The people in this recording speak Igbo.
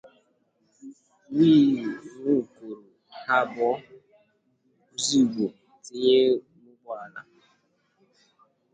wee nwụkọrọ ha abụọ ozigbo tinye n'ụgbọala